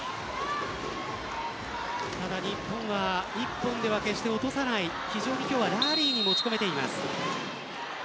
ただ日本は１本では決して落とさない今日は非常にラリーに持ち込めています。